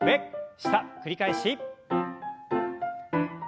下繰り返し。